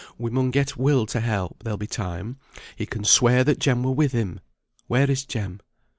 We mun get Will to help; there'll be time. He can swear that Jem were with him. Where is Jem?"